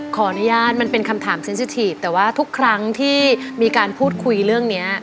ขออนุญาตมันเป็นคำถามเซ็นสิทีฟแต่ว่าทุกครั้งที่มีการพูดคุยเรื่องนี้